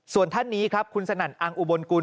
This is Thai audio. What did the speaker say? ส่วนท่านนี้ครับคุณสนั่นอังอุบลกุล